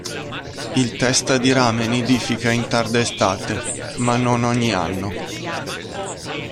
Il testa di rame nidifica in tarda estate, ma non ogni anno.